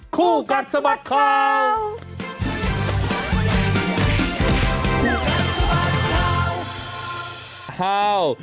คู่กันสมัครคราว